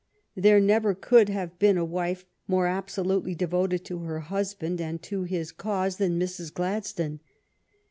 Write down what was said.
There never could have been a wife more absolutely devoted to her husband and to his cause than Mrs. Gladstone.